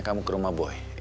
kamu ke rumah boy